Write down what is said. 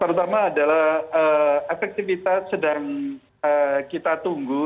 terutama adalah efektivitas sedang kita tunggu